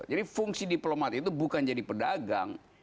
jadi fungsi diplomat itu bukan jadi pedagang